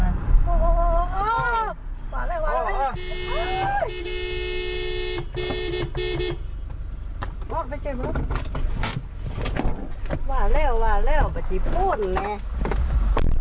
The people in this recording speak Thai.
อ้าวว่าแล้วว่าแล้วมาจริงโน้นเนี่ย